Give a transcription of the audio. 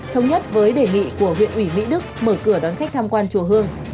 thống nhất với đề nghị của huyện ủy mỹ đức mở cửa đón khách tham quan chùa hương